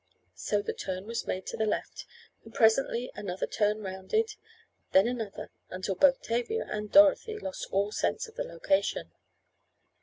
So the turn was made to the left, and presently another turn rounded, then another, until both Tavia and Dorothy lost all sense of the location.